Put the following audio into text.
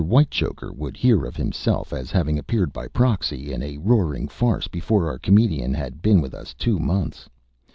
Whitechoker would hear of himself as having appeared by proxy in a roaring farce before our comedian had been with us two months.